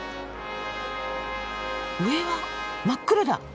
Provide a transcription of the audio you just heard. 上は真っ黒だ。